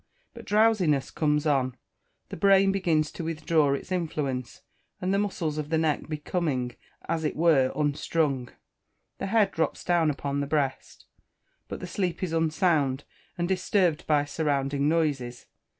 But drowsiness comes on, the brain begins to withdraw its influence, and the muscles of the neck becoming as it were "unstrung," the head drops down upon the breast. But the sleep is unsound, and disturbed by surrounding noises.